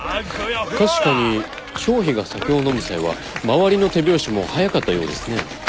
確かに張飛が酒を飲む際は周りの手拍子も速かったようですね。